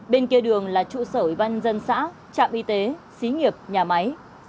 bên kia đường là trụ sở văn dân xã trạm y tế xí nghiệp nhà máy